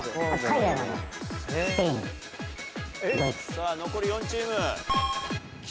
さぁ残り４チーム。